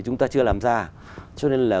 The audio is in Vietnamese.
chúng ta chưa làm ra cho nên là